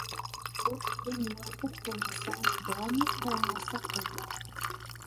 بۇ گېپىم مۇۋاپىق بولمىسا، داۋاملىق پاراڭلاشساق بولىدۇ.